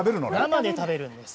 生で食べるんです。